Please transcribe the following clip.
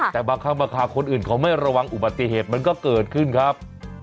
แต่บางครั้งบางคาคนอื่นเขาไม่ระวังอุบัติเหตุมันก็เกิดขึ้นครับ